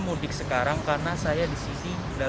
mudiknya lebih awal